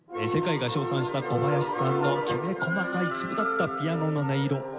世界が称賛した小林さんのきめ細かい粒立ったピアノの音色。